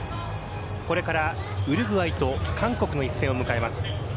これからウルグアイと韓国の一戦を迎えます。